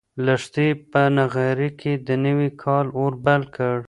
لښتې په نغري کې د نوي کال اور بل کړ.